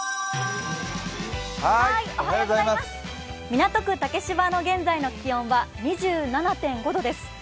港区竹芝の現在の気温は２７．５度です。